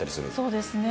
そうですね。